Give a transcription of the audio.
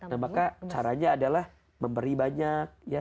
nah maka caranya adalah memberi banyak ya